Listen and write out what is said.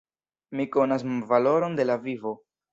Mi konas valoron de la vivo!